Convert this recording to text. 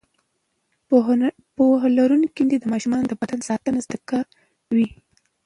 پوهه لرونکې میندې د ماشومانو د بدن ساتنه زده کوي.